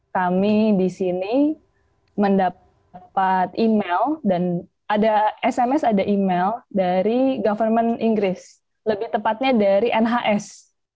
kami di sini mendapat email dan ada sms ada email dari government inggris lebih tepatnya dari nhs